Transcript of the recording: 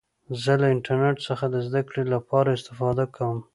زه له انټرنټ څخه د زدهکړي له پاره استفاده کوم.